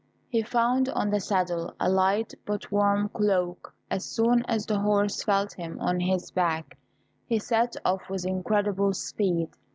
He found on the saddle a light but warm cloak. As soon as the horse felt him on his back, he set off with incredible speed.